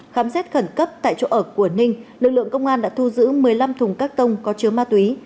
khám xét khẩn cấp tại chỗ ở của ninh lực lượng công an đã thu giữ một mươi năm thùng các tông có chứa ma túy